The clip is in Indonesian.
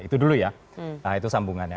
itu dulu ya nah itu sambungannya